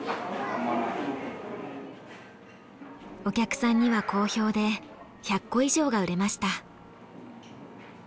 お客さんには好評で１００個以上が売れました。